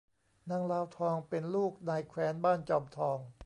นางลาวทองเป็นลูกนายแคว้นบ้านจอมทอง